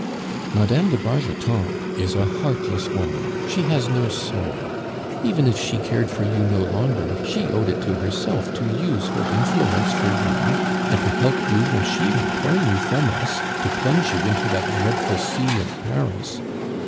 "Mme. de Bargeton is a heartless woman; she has no soul; even if she cared for you no longer, she owed it to herself to use her influence for you and to help you when she had torn you from us to plunge you into that dreadful sea of Paris.